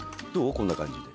こんな感じで。